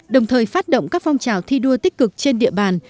đồng thời phát động các phong trào thi đua tích cực trên địa bàn